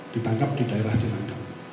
ditangkap di daerah celanggang